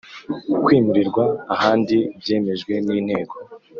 Kwimurirwa ahandi byemejwe n inteko